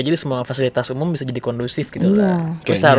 jadi semua fasilitas umum bisa jadi kondusif gitu lah